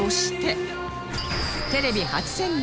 テレビ初潜入！